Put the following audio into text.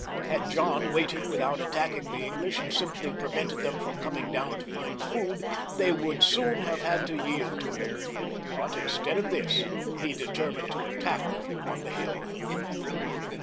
Had John waited without attacking the English, and simply prevented them from coming down to find food, they would soon have had to yield to him ; but in stead of this, he determined to attack them on the hill.